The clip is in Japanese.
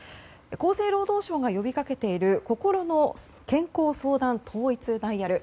厚生労働省が呼びかけているこころの健康相談統一ダイヤル。